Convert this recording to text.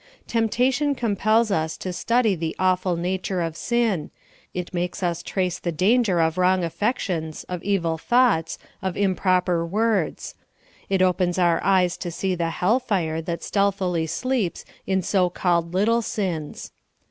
Temp tation compels us to study the awful nature of sin ; it makes us trace the danger of wrong affections, of evil thoughts, of improper words ; it opens our eyes to see the hell fire that stealthily sleeps in so called little sins.